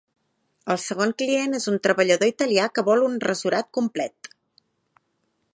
El segon client és un treballador italià que vol un rasurat complet.